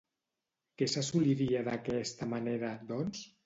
Què s'assoliria d'aquesta manera, doncs?